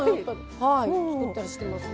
はい作ったりしてますね。